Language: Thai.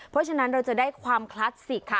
เพราะฉะนั้นเราจะได้ความคลาสสิกค่ะ